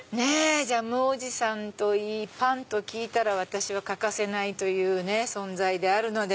ジャムおじさんといいパンと聞いたら私は欠かせない存在であるので。